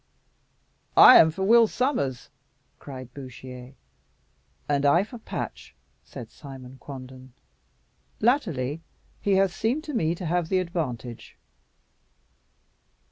"I am for Will Sommers," cried Bouchier. "And I for Patch," said Simon Quanden. "Latterly he hath seemed to me to have the advantage."